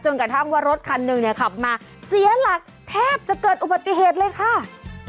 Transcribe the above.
กระทั่งว่ารถคันหนึ่งเนี่ยขับมาเสียหลักแทบจะเกิดอุบัติเหตุเลยค่ะ